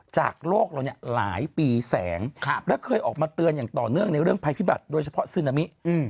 จากโลกเราเนี่ยหลายปีแสงและเคยออกมาเตือนอย่างต่อเนื่องในเรื่องภัยพิบัติโดยเฉพาะซึนามิ